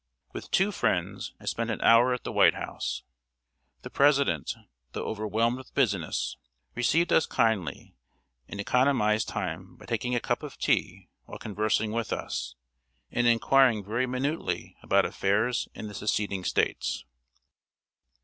With two friends, I spent an hour at the White House. The President, though overwhelmed with business, received us kindly, and economized time by taking a cup of tea while conversing with us, and inquiring very minutely about affairs in the seceding States.